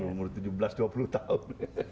umur tujuh belas dua puluh tahun